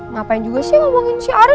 ngapain juga sih ngomongin si arin